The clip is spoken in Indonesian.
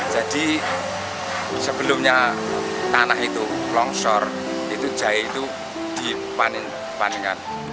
jadi sebelumnya tanah itu longsor jahe itu dipanik